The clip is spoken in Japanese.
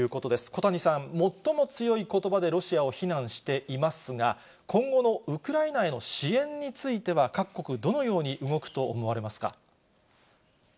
小谷さん、最も強いことばでロシアを非難していますが、今後のウクライナへの支援については各国、どのように動くと思われますか。